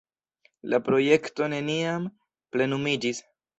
La projekto neniam plenumiĝis.